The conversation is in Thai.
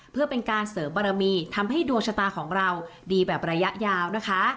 เพื่อเป็นการเสริมบารมีทำให้ดวงชะตาของเราดีแบบระยะยาวนะคะ